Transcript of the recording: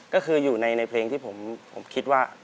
ก็คืออยู่ในเพลงที่ผมคิดว่า